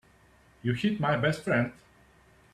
You hit my best friend.